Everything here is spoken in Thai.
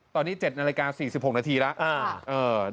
ตอนนี้๗นาฬิกา๔๖นาทีแล้ว